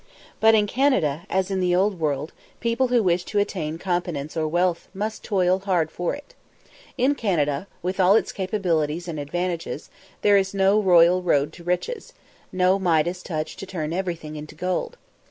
But in Canada, as in the Old World, people who wish to attain competence or wealth must toil hard for it. In Canada, with all its capabilities and advantages, there is no royal road to riches no Midas touch to turn everything into gold.